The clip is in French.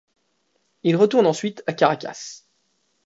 Il retourne ensuite à Caracas.